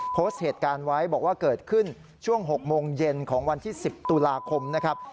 โพสต์เหตุการณ์ไว้บอกว่าเกิดขึ้นช่วง๖โมงเย็นของวันที่๑๐ตุลาคมนะครับ